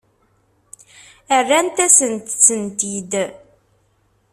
Rrant-asent-tent-id?